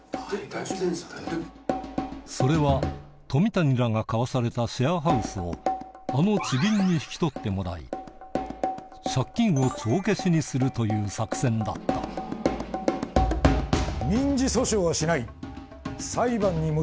それは冨谷らが買わされたシェアハウスをあの地銀に引き取ってもらい借金を帳消しにするという作戦だったはい。